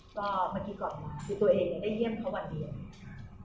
ก็เมื่อกี้ก่อนมาคือตัวเองได้เยี่ยมเขาวันเดียว